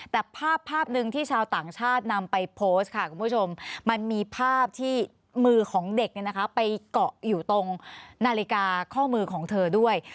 แต่ภาพหนึ่งที่ชาวต่างชาตินำไปโพสต์ค่ะคุณผู้ชมมันมีภาพที่มือของเด็กไปเกาะอยู่ตรงนาฬิกาข้อมือของเธอด้วย